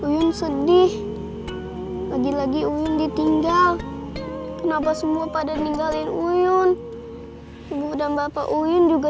uyun sedih lagi lagi uin ditinggal kenapa semua pada ninggalin uyun ibu dan bapak uin juga